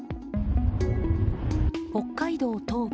北海道東部